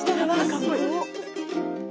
かっこいい。